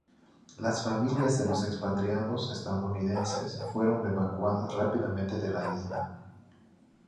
Las familias de los expatriados estadounidenses fueron evacuadas rápidamente de la isla.